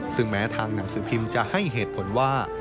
ซึ่งแม้ทางหนังสือพิมพ์จะให้เหตุผลว่า